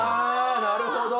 なるほど。